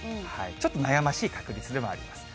ちょっと悩ましい確率ではあります。